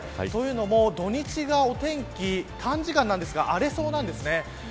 というのも土日がお天気短時間ですが荒れそうなんですね。